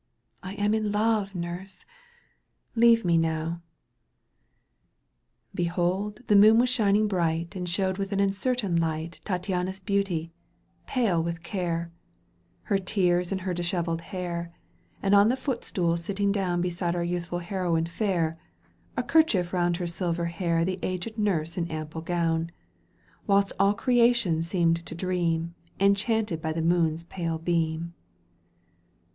—" I am in love, nurse ! leave me now." Behold ! the moon w£is shining bright And showed with an uncertain light Tattiana's beauty, pale with care, Her tears and her dishevelled hair ; And on the footstool sitting down Beside our youthful heroine fair, A kerchief round her silver hair The aged nurse in ample gown,*'' Whilst all creation seemed to dream Enchanted by the moon's pale beam.